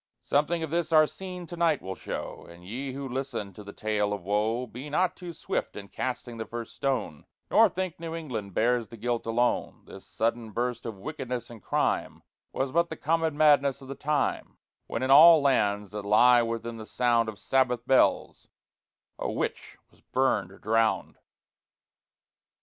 Something of this our scene to night will show; And ye who listen to the Tale of Woe, Be not too swift in casting the first stone, Nor think New England bears the guilt alone. This sudden burst of wickedness and crime Was but the common madness of the time, When in all lands, that lie within the sound Of Sabbath bells, a Witch was burned or drowned.